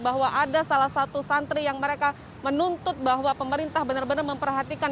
bahwa ada salah satu santri yang mereka menuntut bahwa pemerintah benar benar memperhatikan